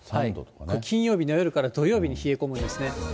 金曜日の夜から土曜日に冷え込むんですね。